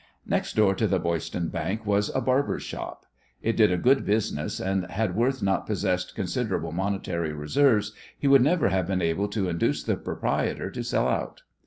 Next door to the Boyston Bank was a barber's shop. It did a good business, and had Worth not possessed considerable monetary reserves he would never have been able to induce the proprietor to sell out.